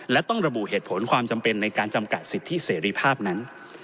และต้องระบุเหตุผลความจำเป็นในการจำกัดสิทธิเสรีภาพนั้น